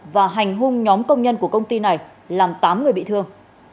và hành hung nhóm công nhân của công ty này làm tám người bị thương